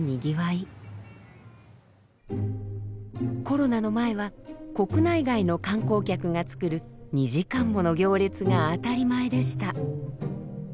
コロナの前は国内外の観光客がつくる２時間もの行列が当たり前でした。